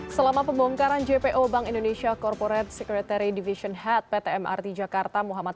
selama pembongkaran jpo bank indonesia corporate secretary division head pt mrt jakarta muhammad